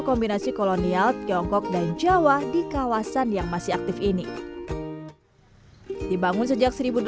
dan kombinasi kolonial tiongkok dan jawa di kawasan yang masih aktif ini dibangun sejak